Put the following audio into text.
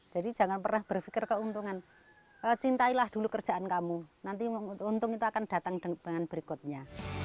jadi jangan pernah berpikir keuntungan cintailah dulu kerjaan kamu nanti keuntungan itu akan datang dengan berikutnya